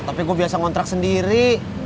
tapi gue biasa ngontrak sendiri